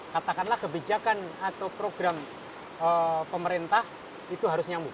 katakanlah kebijakan atau program pemerintah itu harus nyambung